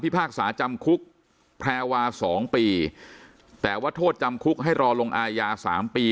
พากษาจำคุกแพรวาสองปีแต่ว่าโทษจำคุกให้รอลงอายาสามปี